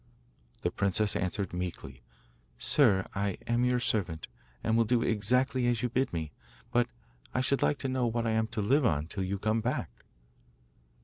The princess answered meekly: 'Sir, I am your servant, and will do exactly as you bid me; but I should like to know what I am to live on till you come back?